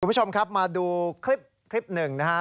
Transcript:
สวัสดีคุณผู้ชมครับมาดูคลิป๑นะฮะ